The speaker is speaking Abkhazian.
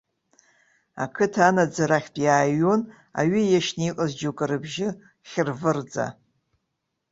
Ақыҭа анаӡарахьтә иааҩуан аҩы иашьны иҟаз џьоукы рыбжьы хьырвырӡа.